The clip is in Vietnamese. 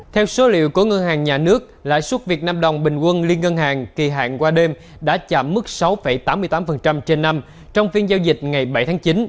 theo số liệu của ngân hàng nhà nước lãi suất việt nam đồng bình quân liên ngân hàng kỳ hạn qua đêm đã chạm mức sáu tám mươi tám trên năm trong phiên giao dịch ngày bảy tháng chín